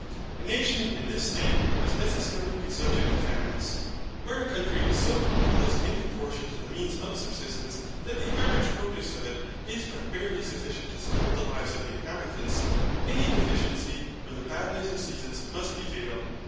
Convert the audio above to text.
A nation in this state must necessarily be subject to famines. Where a country is so populous in proportion to the means of subsistence that the average produce of it is but barely sufficient to support the lives of the inhabitants, any deficiency from the badness of seasons must be fatal.